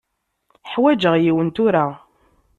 Ḥwaǧeɣ yiwen tura.